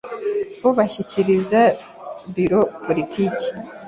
bo gushyikiriza Biro Politiki